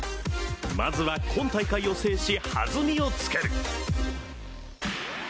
まずは今大会を制し、弾みをつける。